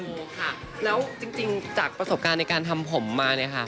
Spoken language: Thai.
อกษัตริย์จริงจากประสบการณ์ในการทำผมมา